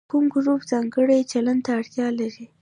کوم ګروپ ځانګړي چلند ته اړتیا لري.